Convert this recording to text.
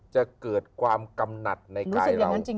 จะเกิดความกำหนัดในกายเรา